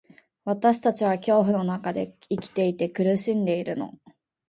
私たちは恐怖の中で生きていて、苦しんでいるの。